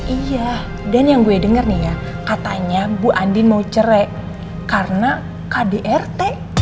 iya dan yang gue denger nih ya katanya bu andin mau cerek karena kdrt